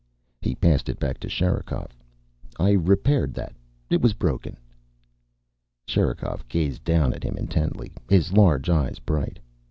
He passed it back to Sherikov. "I repaired that. It was broken." Sherikov gazed down at him intently, his large eyes bright.